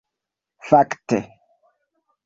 fakte